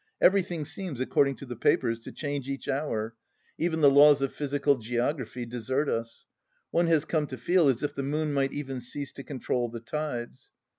Everything seems, according to the papers, to change each hour ; even the laws of physical geography desert us. One has come to feel as if the moon might even cease to control the tides.